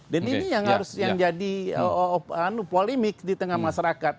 dan ini yang harus jadi polemik di tengah masyarakat